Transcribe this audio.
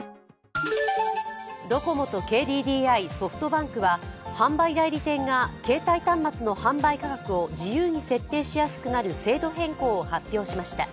ドコモとＫＤＤＩ、ソフトバンクは販売代理店が携帯端末の販売価格を自由に設定しやすくなる制度変更を発表しました。